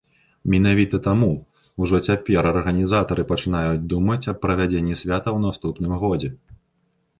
Менавіта таму ўжо цяпер арганізатары пачынаюць думаць аб правядзенні свята ў наступным годзе.